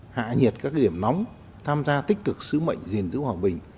hạ nhiệt các điểm nóng tham gia tích cực sứ mệnh gìn giữ hòa bình